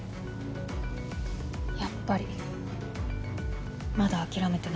やっぱりまだ諦めてないのね。